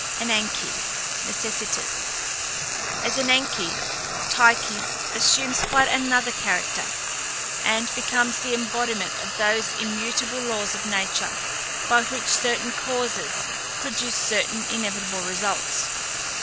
ANANKE (NECESSITAS). As Ananke, Tyche assumes quite another character, and becomes the embodiment of those immutable laws of nature, by which certain causes produce certain inevitable results.